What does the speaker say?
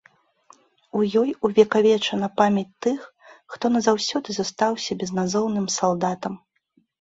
У ёй увекавечана памяць тых, хто назаўсёды застаўся безназоўным салдатам.